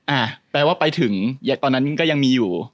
อ่าแปลว่าไปถึงตอนนั้นก็ยังมีอยู่